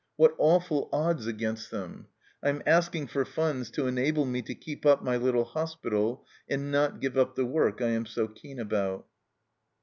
What awful odds against them ! I am asking for funds to enable me to keep up my little hospital, and not give up the work I am so keen about."